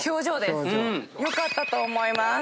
良かったと思います。